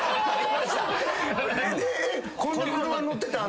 こんな車に乗ってたん？